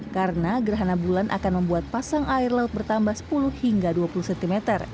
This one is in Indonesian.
karena gerhana bulan akan membuat pasang air laut bertambah sepuluh hingga dua puluh cm